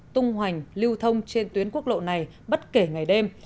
tung hoành lưu thông trên tuyến quốc lộ này bất kể ngày đêm